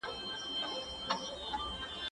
زه کتاب نه ليکم،،